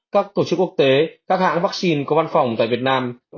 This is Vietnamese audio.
các tổ chức quốc tế các hãng vaccine có văn phòng tại việt nam